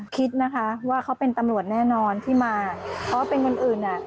คิดนะคะว่าเขาเป็นตำรวจแน่นอนที่มาเพราะว่าเป็นคนอื่นอ่ะ